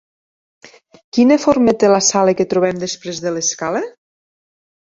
Quina forma té la sala que trobem després de l'escala?